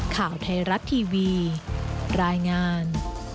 ข่าวไทยรัฐทีวีรายงาน